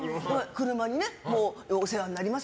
車にね、お世話になります